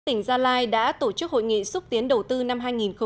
tỉnh gia lai đã tổ chức hội nghị xúc tiến đầu tư năm hai nghìn một mươi sáu